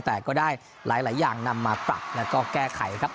แต่ก็ได้หลายอย่างนำมาปรับแล้วก็แก้ไขครับ